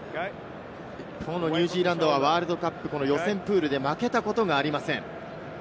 きょうのニュージーランドはワールドカップ、予選プールで負けたことがありません。